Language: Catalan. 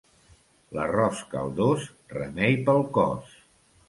L'arròs caldós, remei pel cos.